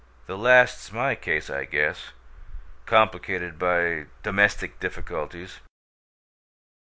The last's my case, I guess 'complicated by domestic difficulties'!"